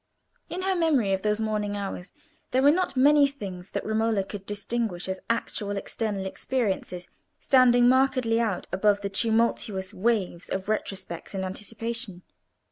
In her memory of those morning hours, there were not many things that Romola could distinguish as actual external experiences standing markedly out above the tumultuous waves of retrospect and anticipation.